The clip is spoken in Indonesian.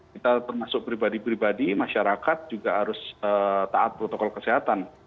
kita termasuk pribadi pribadi masyarakat juga harus taat protokol kesehatan